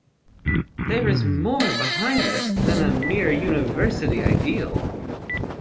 There is more behind this than a mere university ideal.